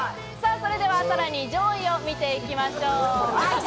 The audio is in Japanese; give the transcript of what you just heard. それではさらに上位を見ていきましょう。